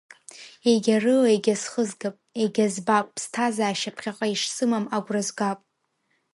Егьарыла егьа схызгап, егьа збап, ԥсҭазаашьа ԥхьаҟа ишсымам агәра згап.